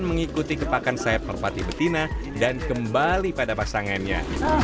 dan mengikuti kepakan sayap merpati betina dan kembali pada pasangannya